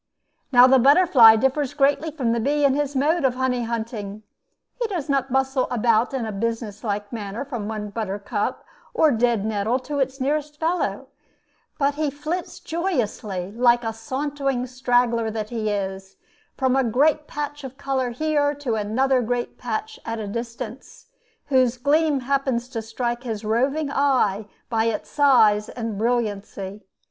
Now, the butterfly differs greatly from the bee in his mode of honey hunting: he does not bustle about in a business like manner from one buttercup or dead nettle to its nearest fellow; but he flits joyously, like a sauntering straggler that he is, from a great patch of color here to another great patch at a distance, whose gleam happens to strike his roving eye by its size and brilliancy.